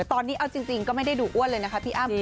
ตอนนี้เอาจริงก็ไม่ได้ดูอ้วนเลยนะคะพี่อ้ำ